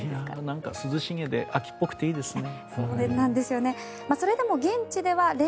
なんか涼しげで秋っぽくていいですね。